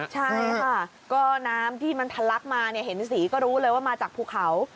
ใช่ค่ะก็น้ำที่มันทะลักมาเห็นสีก็รู้เลยว่ามาจากภูเขา